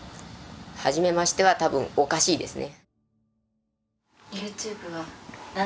はじめましては多分おかしいですね。